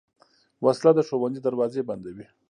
وسله د ښوونځي دروازې بندوي